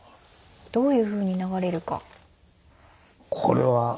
どういうふうに流れるか。